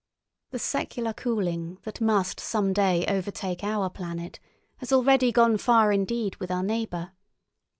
The secular cooling that must someday overtake our planet has already gone far indeed with our neighbour.